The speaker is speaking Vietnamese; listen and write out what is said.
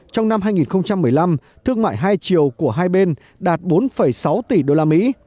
trong năm hai nghìn một mươi năm thương mại hai chiều của hai bên đạt bốn sáu tỷ đô la mỹ